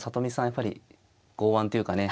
やっぱり剛腕っていうかね